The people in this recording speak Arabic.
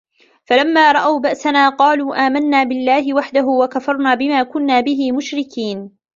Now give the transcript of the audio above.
فَلَمّا رَأَوا بَأسَنا قالوا آمَنّا بِاللَّهِ وَحدَهُ وَكَفَرنا بِما كُنّا بِهِ مُشرِكينَ